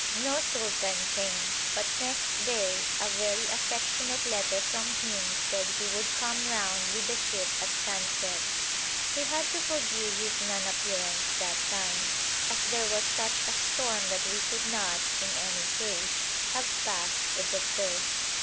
No sultan came, but next day a very affectionate letter from him said he would come round with the ship at sunset. We had to forgive his non appearance that time, as there was such a storm that we could not, in any case, have passed the surf.